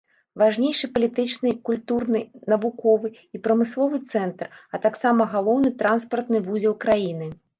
Важнейшы палітычны, культурны, навуковы і прамысловы цэнтр, а таксама галоўны транспартны вузел краіны.